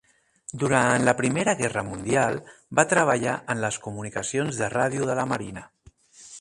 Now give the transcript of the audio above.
Durant la Primera Guerra Mundial va treballar en les comunicacions de ràdio de la marina.